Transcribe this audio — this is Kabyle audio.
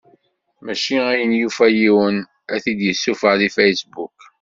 Mačči ayen yufa yiwen ad t-id-yessufeɣ deg Facebook.